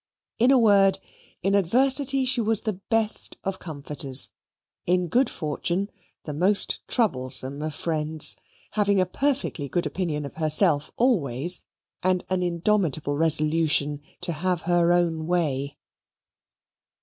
In a word, in adversity she was the best of comforters, in good fortune the most troublesome of friends, having a perfectly good opinion of herself always and an indomitable resolution to have her own way.